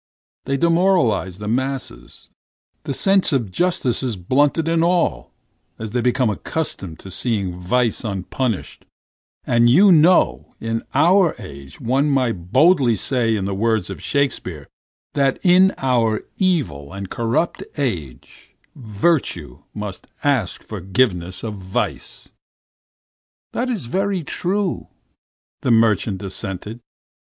They demoralize the masses, the sense of justice is blunted in all as they become accustomed to seeing vice unpunished, and you know in our age one may boldly say in the words of Shakespeare that in our evil and corrupt age virtue must ask forgiveness of vice." "That's very true," the merchant assented.